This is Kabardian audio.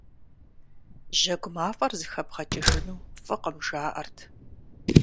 Жьэгу мафӀэр зэхэбгъэкӀыжыну фӀыкъым, жаӀэрт.